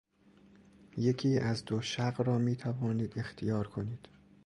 یکی از دو شق را میتوانید اختیار کنید.